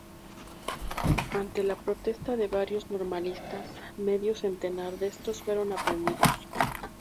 Ante la protesta de varios normalistas, medio centenar de estos fueron aprendidos.